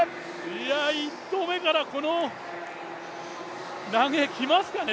いや、１投目からこの投げきますかね？